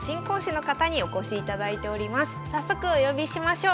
今日は早速お呼びしましょう。